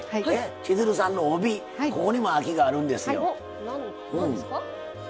千鶴さんの帯、ここにも秋があるんですよ。